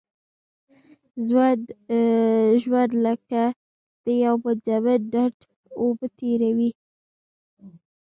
ژوند لکه د یو منجمد ډنډ اوبه تېروي.